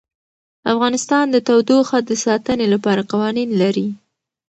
افغانستان د تودوخه د ساتنې لپاره قوانین لري.